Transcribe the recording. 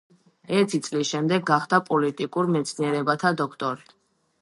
ერთი წლის შემდეგ გახდა პოლიტიკურ მეცნიერებათა დოქტორი.